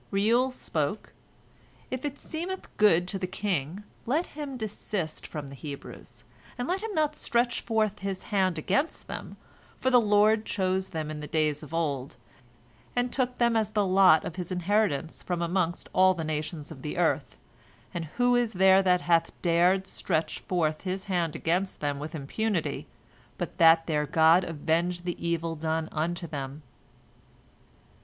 Reuel spoke: "If it seemeth good to the king, let him desist from the Hebrews, and let him not stretch forth his hand against them, for the Lord chose them in days of old, and took them as the lot of His inheritance from amongst all the nations of the earth, and who is there that hath dared stretch forth his hand against them with impunity, but that their God avenged the evil done unto them?"